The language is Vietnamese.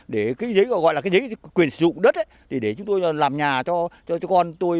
để giấy quyền sử dụng đất để chúng tôi làm nhà cho con tôi